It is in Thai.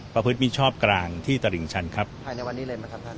ประพฤษมิชชอบกลางที่ตระหริงชันครับภายในวันนี้เลยมั้ยค่ะครับ